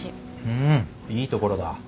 うんいいところだ。